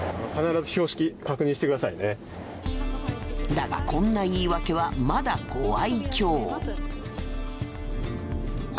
だがこんな言い訳はまだご愛嬌。